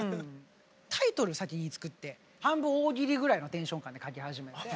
タイトル先に作って半分大喜利ぐらいのテンション感で書き始めて。